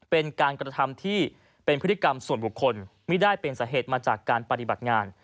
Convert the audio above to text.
เป็นการกระทำที่เป็นพฤติกรรมส่วนบุคคลไม่ได้เป็นสาเหตุมาจากการปฏิบัติงาน